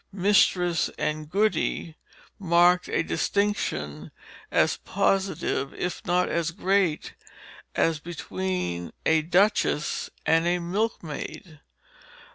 Mistress and Goody marked a distinction as positive if not as great as between a duchess and a milkmaid.